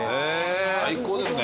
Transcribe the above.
最高ですね。